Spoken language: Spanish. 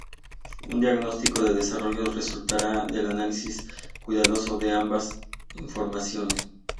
Un diagnóstico de desarrollo resultará del análisis cuidadoso de ambas informaciones.